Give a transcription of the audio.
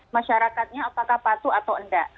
masyarakatnya apakah patuh atau enggak